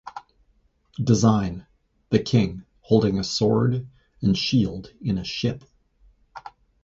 Design: The king, holding a sword and shield in a ship.